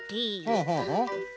ほうほうほう。